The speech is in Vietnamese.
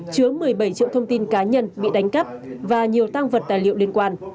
chứa một mươi bảy triệu thông tin cá nhân bị đánh cắp và nhiều tăng vật tài liệu liên quan